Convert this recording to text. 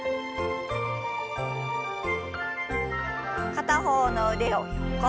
片方の腕を横。